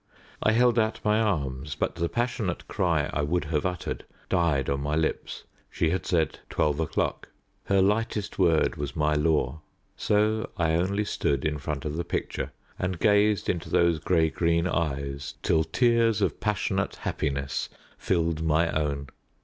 I held out my arms, but the passionate cry I would have uttered died on my lips. She had said twelve o'clock. Her lightest word was my law. So I only stood in front of the picture and gazed into those grey green eyes till tears of passionate happiness filled my own.